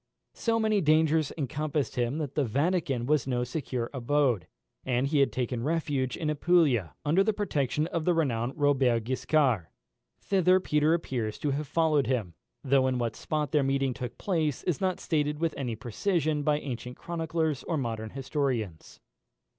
So many dangers encompassed him, that the Vatican was no secure abode, and he had taken refuge in Apulia, under the protection of the renowned Robert Guiscard. Thither Peter appears to have followed him, though in what spot their meeting took place is not stated with any precision by ancient chroniclers or modern historians.